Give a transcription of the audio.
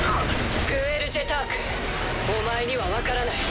グエル・ジェタークお前には分からない。